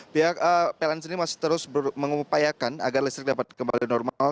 pihak pln sendiri masih terus mengupayakan agar listrik dapat kembali normal